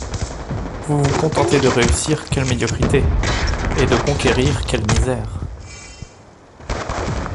Vous vous contentez de réussir, quelle médiocrité! et de conquérir, quelle misère !